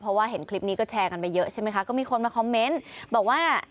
เพราะว่าเห็นคลิปนี้ก็แชร์กันไปเยอะใช่ไหมคะก็มีคนมาคอมเมนต์บอกว่า